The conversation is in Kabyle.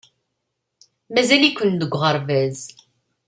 Mazal-iken deg uɣerbaz.